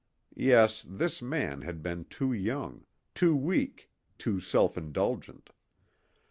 Yes, this man had been too young, too weak, too self indulgent.